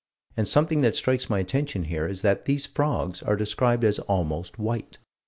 And something that strikes my attention here is that these frogs are described as almost white.